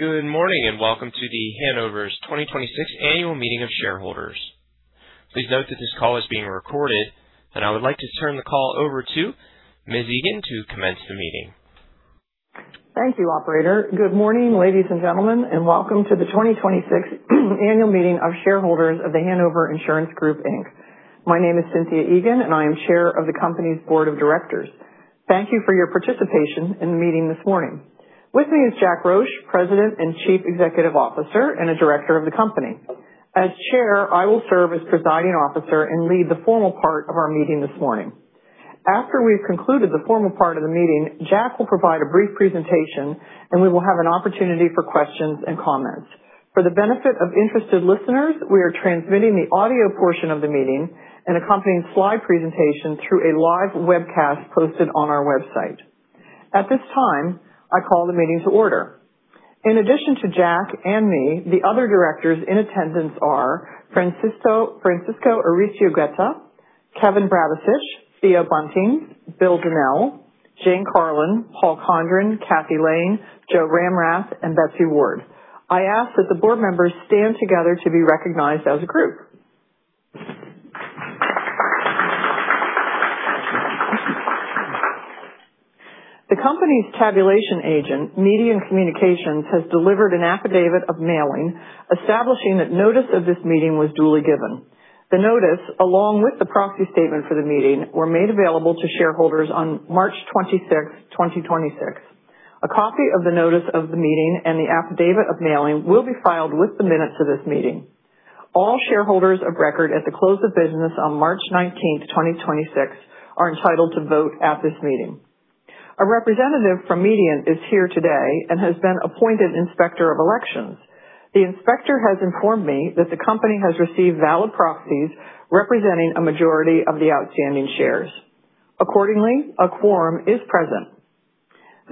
Good morning, and welcome to The Hanover's 2026 annual meeting of shareholders. Please note that this call is being recorded, and I would like to turn the call over to Ms. Egan to commence the meeting. Thank you, operator. Good morning, ladies and gentlemen, and welcome to the 2026 annual meeting of shareholders of The Hanover Insurance Group, Inc. My name is Cynthia Egan, and I am Chair of the company's Board of Directors. Thank you for your participation in the meeting this morning. With me is Jack Roche, President and Chief Executive Officer, and a director of the company. As Chair, I will serve as presiding officer and lead the formal part of our meeting this morning. After we've concluded the formal part of the meeting, Jack will provide a brief presentation, and we will have an opportunity for questions and comments. For the benefit of interested listeners, we are transmitting the audio portion of the meeting and accompanying slide presentation through a live webcast posted on our website. At this time, I call the meeting to order. In addition to Jack and me, the other directors in attendance are Francisco Aristeguieta, Kevin Bradicich, Theo Bunting, Bill Donnell, Jane Carlin, Paul Condrin, Kathy Lane, Joe Ramrath, and Betsy Ward. I ask that the board members stand together to be recognized as a group. The company's tabulation agent, Mediant Communications, has delivered an affidavit of mailing establishing that notice of this meeting was duly given. The notice, along with the proxy statement for the meeting, were made available to shareholders on March 26, 2026. A copy of the notice of the meeting and the affidavit of mailing will be filed with the minutes of this meeting. All shareholders of record at the close of business on March 19, 2026, are entitled to vote at this meeting. A representative from Mediant is here today and has been appointed Inspector of Elections. The inspector has informed me that the company has received valid proxies representing a majority of the outstanding shares. Accordingly, a quorum is present.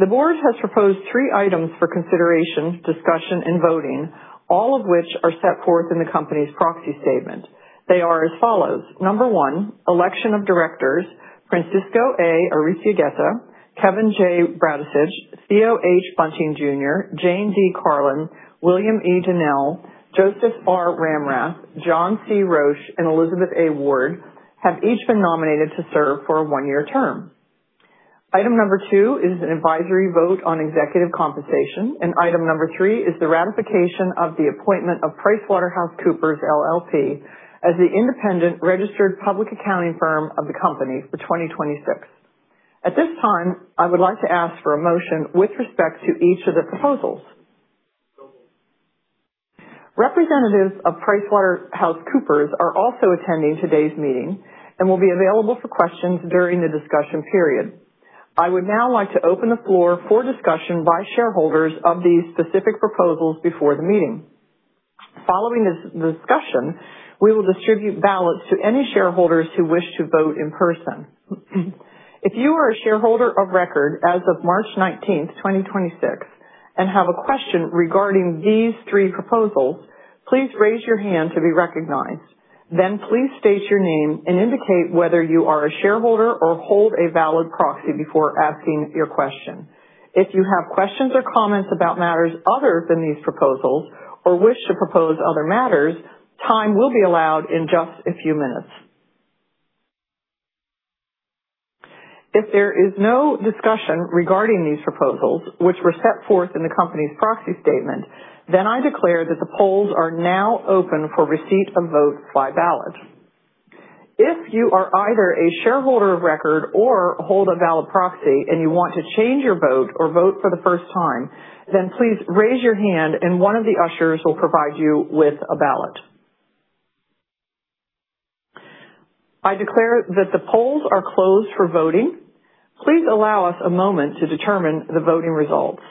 The board has proposed three items for consideration, discussion, and voting, all of which are set forth in the company's proxy statement. They are as follows. Number one, election of directors. Francisco A. Aristeguieta, Kevin J. Bradicich, Theo H. Bunting, Jr., Jane D. Carlin, William E. Donnell, Joseph R. Ramrath, John C. Roche, and Elizabeth A. Ward have each been nominated to serve for a one-year term. Item number two is an advisory vote on executive compensation, and item number three is the ratification of the appointment of PricewaterhouseCoopers LLP as the independent registered public accounting firm of the company for 2026. At this time, I would like to ask for a motion with respect to each of the proposals. Representatives of PricewaterhouseCoopers are also attending today's meeting and will be available for questions during the discussion period. I would now like to open the floor for discussion by shareholders of these specific proposals before the meeting. Following this discussion, we will distribute ballots to any shareholders who wish to vote in person. If you are a shareholder of record as of March 19th, 2026, and have a question regarding these three proposals, please raise your hand to be recognized. Please state your name and indicate whether you are a shareholder or hold a valid proxy before asking your question. If you have questions or comments about matters other than these proposals or wish to propose other matters, time will be allowed in just a few minutes. If there is no discussion regarding these proposals, which were set forth in the company's proxy statement, I declare that the polls are now open for receipt of votes by ballot. If you are either a shareholder of record or hold a valid proxy and you want to change your vote or vote for the first time, please raise your hand and one of the ushers will provide you with a ballot. I declare that the polls are closed for voting. Please allow us a moment to determine the voting results.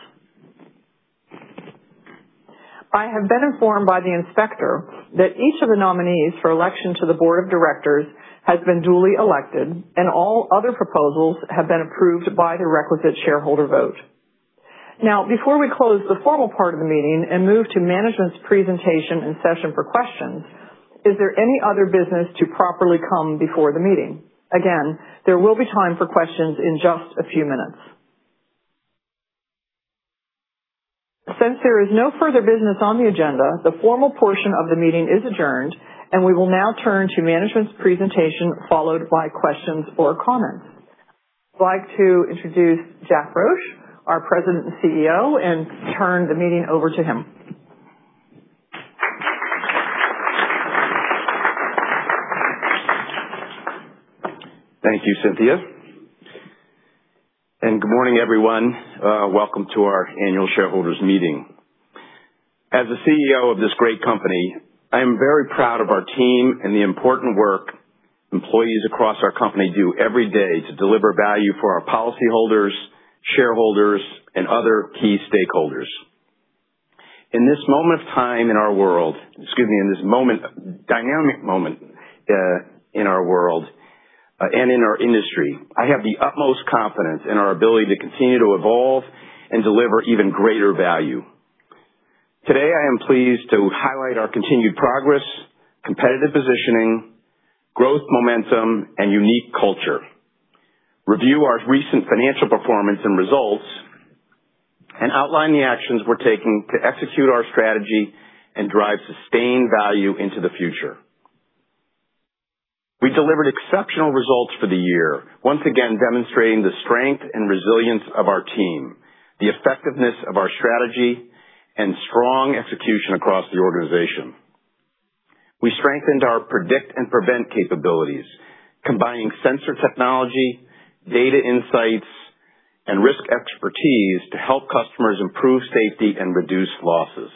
I have been informed by the inspector that each of the nominees for election to the board of directors has been duly elected, and all other proposals have been approved by the requisite shareholder vote. Now, before we close the formal part of the meeting and move to management's presentation and session for questions, is there any other business to properly come before the meeting? Again, there will be time for questions in just a few minutes. Since there is no further business on the agenda, the formal portion of the meeting is adjourned, and we will now turn to management's presentation, followed by questions or comments. I'd like to introduce Jack Roche, our President and CEO, and turn the meeting over to him. Thank you, Cynthia. Good morning, everyone. Welcome to our annual shareholders meeting. As the CEO of this great company, I am very proud of our team and the important work employees across our company do every day to deliver value for our policyholders, shareholders, and other key stakeholders. In this moment of time in our world, excuse me, in this dynamic moment in our world and in our industry, I have the utmost confidence in our ability to continue to evolve and deliver even greater value. Today, I am pleased to highlight our continued progress, competitive positioning, growth momentum, and unique culture. Review our recent financial performance and results, and outline the actions we're taking to execute our strategy and drive sustained value into the future. We delivered exceptional results for the year, once again demonstrating the strength and resilience of our team, the effectiveness of our strategy, and strong execution across the organization. We strengthened our predict and prevent capabilities, combining sensor technology, data insights, and risk expertise to help customers improve safety and reduce losses.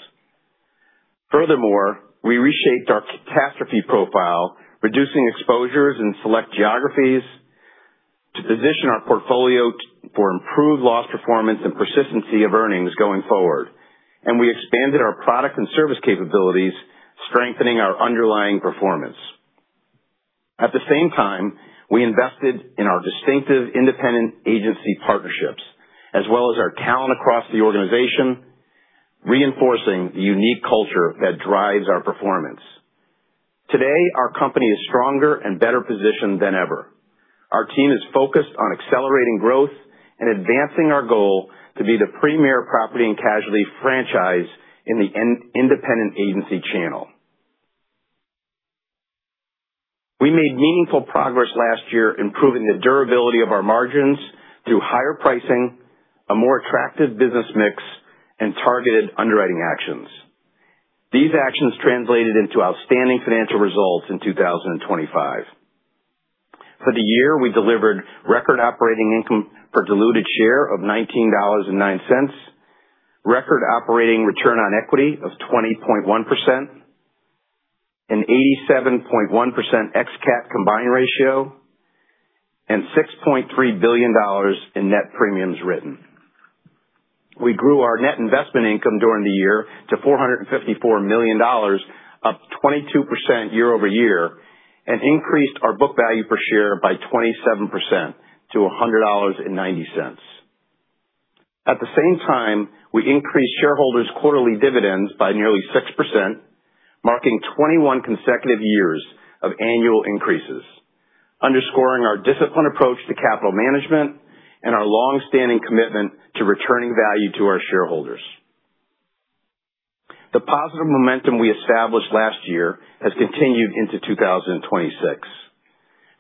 Furthermore, we reshaped our catastrophe profile, reducing exposures in select geographies to position our portfolio for improved loss performance and persistency of earnings going forward. We expanded our product and service capabilities, strengthening our underlying performance. At the same time, we invested in our distinctive independent agency partnerships as well as our talent across the organization, reinforcing the unique culture that drives our performance. Today, our company is stronger and better positioned than ever. Our team is focused on accelerating growth and advancing our goal to be the premier property and casualty franchise in the independent agency channel. We made meaningful progress last year improving the durability of our margins through higher pricing, a more attractive business mix, and targeted underwriting actions. These actions translated into outstanding financial results in 2025. For the year, we delivered record operating income per diluted share of $19.09, record operating return on equity of 20.1%, an 87.1% ex-cat combined ratio, and $6.3 billion in net premiums written. We grew our net investment income during the year to $454 million, up 22% year-over-year, and increased our book value per share by 27% to $100.90. At the same time, we increased shareholders' quarterly dividends by nearly 6%, marking 21 consecutive years of annual increases, underscoring our disciplined approach to capital management and our longstanding commitment to returning value to our shareholders. The positive momentum we established last year has continued into 2026.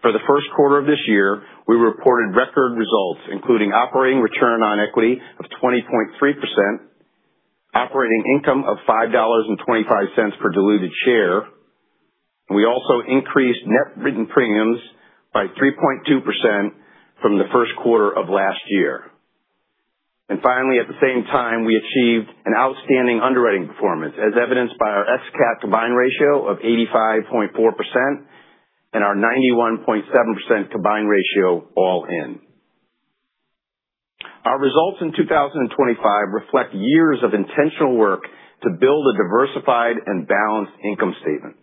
For the first quarter of this year, we reported record results, including operating return on equity of 20.3%, operating income of $5.25 per diluted share. We also increased net written premiums by 3.2% from the first quarter of last year. Finally, at the same time, we achieved an outstanding underwriting performance, as evidenced by our ex-cat combined ratio of 85.4% and our 91.7% combined ratio all in. Our results in 2025 reflect years of intentional work to build a diversified and balanced income stream.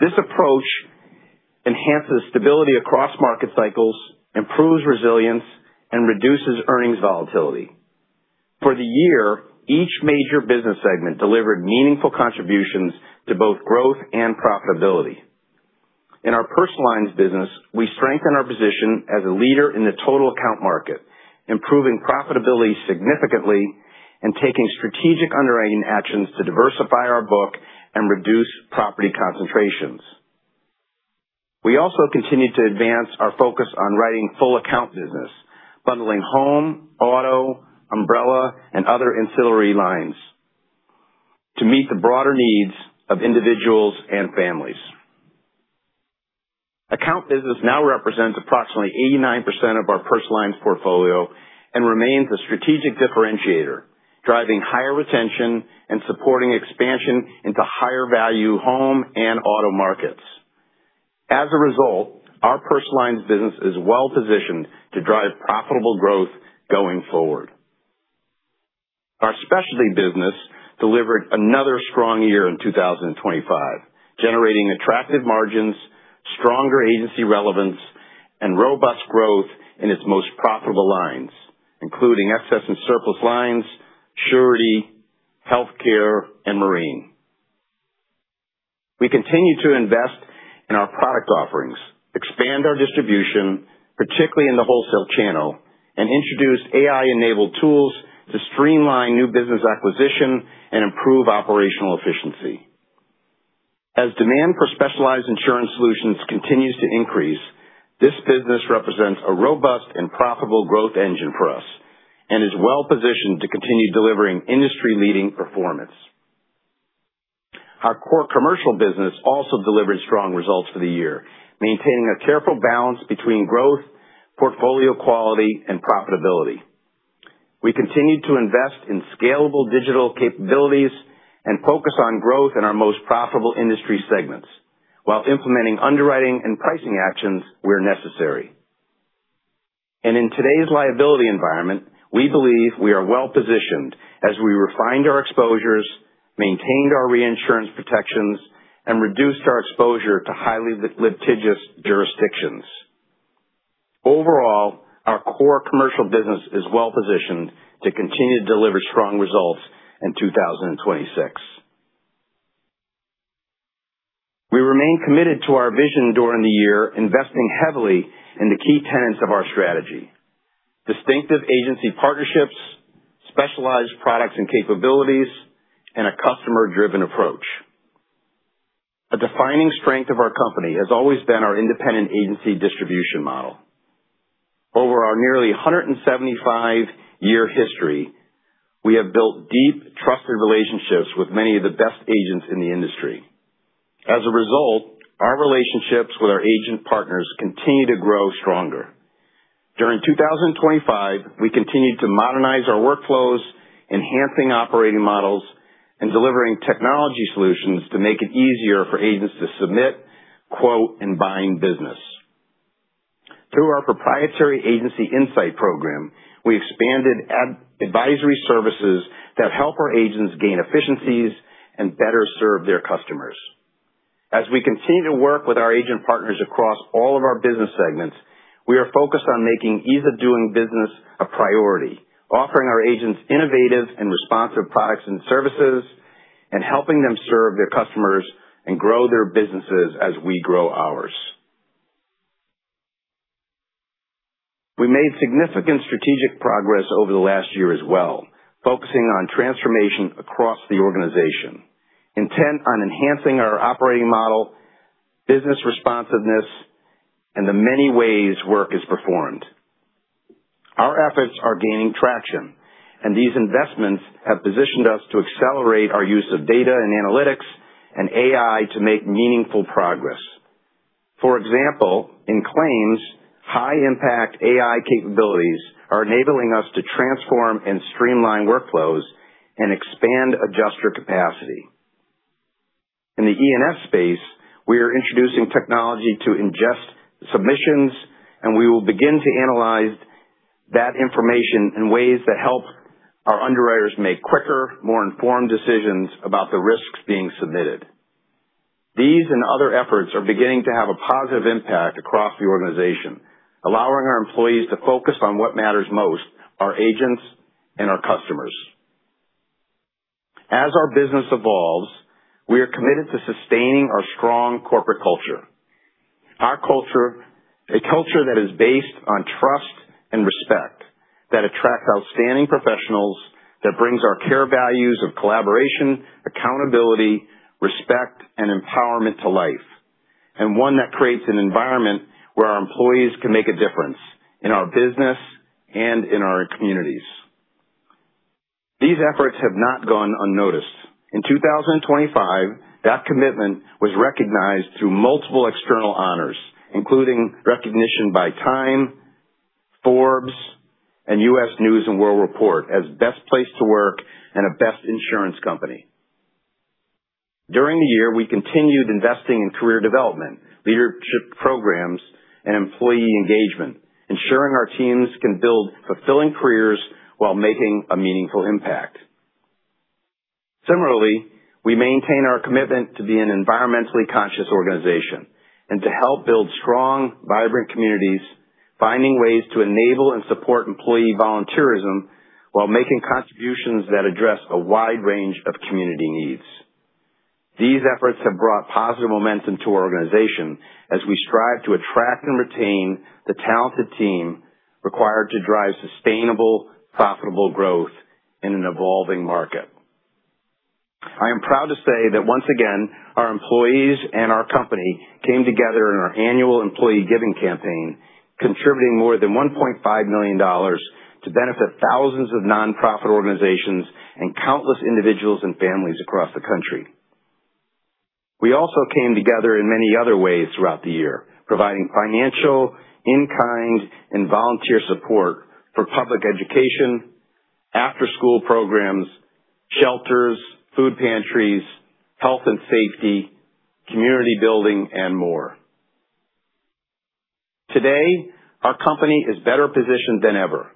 This approach enhances stability across market cycles, improves resilience, and reduces earnings volatility. For the year, each major business segment delivered meaningful contributions to both growth and profitability. In our personal lines business, we strengthen our position as a leader in the total account market, improving profitability significantly and taking strategic underwriting actions to diversify our book and reduce property concentrations. We also continue to advance our focus on writing full account business, bundling home, auto, umbrella, and other ancillary lines to meet the broader needs of individuals and families. Account business now represents approximately 89% of our personal lines portfolio and remains a strategic differentiator, driving higher retention and supporting expansion into higher value home and auto markets. As a result, our personal lines business is well-positioned to drive profitable growth going forward. Our specialty business delivered another strong year in 2025, generating attractive margins, stronger agency relevance, and robust growth in its most profitable lines, including excess and surplus lines, surety, healthcare, and marine. We continue to invest in our product offerings, expand our distribution, particularly in the wholesale channel, and introduced AI-enabled tools to streamline new business acquisition and improve operational efficiency. As demand for specialized insurance solutions continues to increase, this business represents a robust and profitable growth engine for us and is well-positioned to continue delivering industry-leading performance. Our core commercial business also delivered strong results for the year, maintaining a careful balance between growth, portfolio quality, and profitability. We continued to invest in scalable digital capabilities and focus on growth in our most profitable industry segments while implementing underwriting and pricing actions where necessary. In today's liability environment, we believe we are well-positioned as we refined our exposures, maintained our reinsurance protections, and reduced our exposure to highly litigious jurisdictions. Overall, our core commercial business is well-positioned to continue to deliver strong results in 2026. We remain committed to our vision during the year, investing heavily in the key tenets of our strategy, distinctive agency partnerships, specialized products and capabilities, and a customer-driven approach. A defining strength of our company has always been our independent agency distribution model. Over our nearly 175-year history, we have built deep, trusted relationships with many of the best agents in the industry. As a result, our relationships with our agent partners continue to grow stronger. During 2025, we continued to modernize our workflows, enhancing operating models and delivering technology solutions to make it easier for agents to submit, quote, and bind business. Through our proprietary Agency Insight program, we expanded advisory services that help our agents gain efficiencies and better serve their customers. As we continue to work with our agent partners across all of our business segments, we are focused on making ease of doing business a priority, offering our agents innovative and responsive products and services, and helping them serve their customers and grow their businesses as we grow ours. We made significant strategic progress over the last year as well, focusing on transformation across the organization, intent on enhancing our operating model, business responsiveness, and the many ways work is performed. Our efforts are gaining traction, and these investments have positioned us to accelerate our use of data and analytics and AI to make meaningful progress. For example, in claims, high-impact AI capabilities are enabling us to transform and streamline workflows and expand adjuster capacity. In the E&S space, we are introducing technology to ingest submissions, and we will begin to analyze that information in ways that help our underwriters make quicker, more informed decisions about the risks being submitted. These and other efforts are beginning to have a positive impact across the organization, allowing our employees to focus on what matters most, our agents and our customers. As our business evolves, we are committed to sustaining our strong corporate culture. Our culture, a culture that is based on trust and respect, that attracts outstanding professionals, that brings our CARE values of collaboration, accountability, respect, and empowerment to life, and one that creates an environment where our employees can make a difference in our business and in our communities. These efforts have not gone unnoticed. In 2025, that commitment was recognized through multiple external honors, including recognition by Time, Forbes, and U.S. U.S. News & World Report as Best Place to Work and a best insurance company. During the year, we continued investing in career development, leadership programs, and employee engagement, ensuring our teams can build fulfilling careers while making a meaningful impact. Similarly, we maintain our commitment to be an environmentally conscious organization and to help build strong, vibrant communities, finding ways to enable and support employee volunteerism while making contributions that address a wide range of community needs. These efforts have brought positive momentum to our organization as we strive to attract and retain the talented team required to drive sustainable, profitable growth in an evolving market. I am proud to say that once again, our employees and our company came together in our annual employee giving campaign, contributing more than $1.5 million to benefit thousands of nonprofit organizations and countless individuals and families across the country. We also came together in many other ways throughout the year, providing financial, in-kind, and volunteer support for public education, after-school programs, shelters, food pantries, health and safety, community building, and more. Today, our company is better positioned than ever.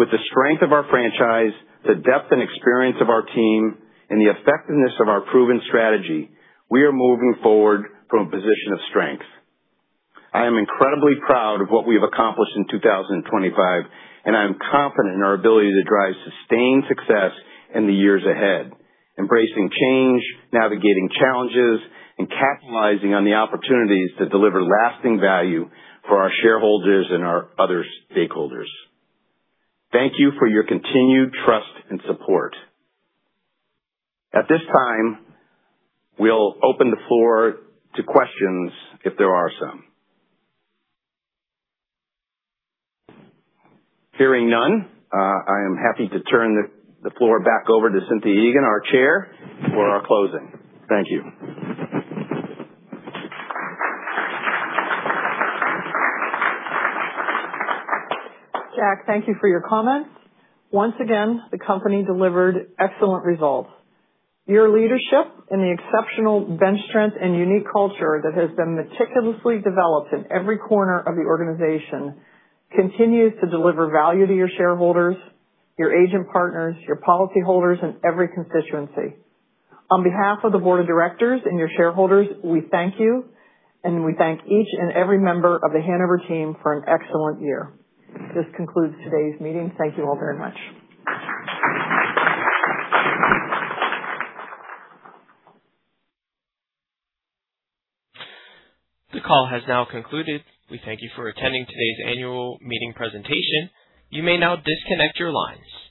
With the strength of our franchise, the depth and experience of our team, and the effectiveness of our proven strategy, we are moving forward from a position of strength. I am incredibly proud of what we have accomplished in 2025. I am confident in our ability to drive sustained success in the years ahead, embracing change, navigating challenges, and capitalizing on the opportunities to deliver lasting value for our shareholders and our other stakeholders. Thank you for your continued trust and support. At this time, we'll open the floor to questions if there are some. Hearing none, I am happy to turn the floor back over to Cynthia Egan, our Chair, for our closing. Thank you. Jack, thank you for your comments. Once again, the company delivered excellent results. Your leadership and the exceptional bench strength and unique culture that has been meticulously developed in every corner of the organization continues to deliver value to your shareholders, your agent partners, your policyholders, and every constituency. On behalf of the board of directors and your shareholders, we thank you, and we thank each and every member of The Hanover team for an excellent year. This concludes today's meeting. Thank you all very much. The call has now concluded. We thank you for attending today's annual meeting presentation. You may now disconnect your lines.